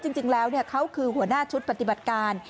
จริงแล้วเขาคือหัวหน้าชุดปฏิบัติการ